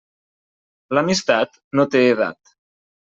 L'amistat no té edat.